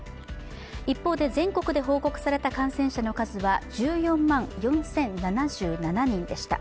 一方、全国で報告された感染者の数は１４万４０７７人でした。